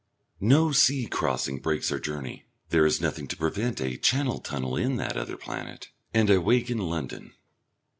No sea crossing breaks our journey; there is nothing to prevent a Channel tunnel in that other planet; and I wake in London.